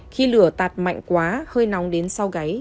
khi lửa tạt mạnh quá hơi nóng đến sau gáy